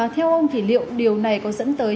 theo ông thì liệu điều này có dẫn tới